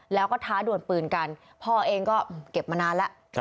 แล้วก็ท้าด่วนปืนกันพ่อเองก็เก็บมานานแล้ว